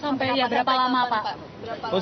sampai berapa lama pak